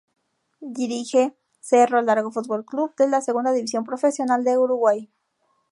Dirige Cerro Largo Futbol Club de la Segunda División Profesional de Uruguay.